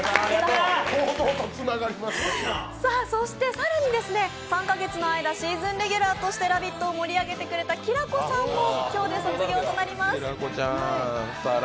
更に３か月の間、シーズンレギュラーとして「ラヴィット！」を盛り上げてくれた、きらこさんも今日で卒業となります。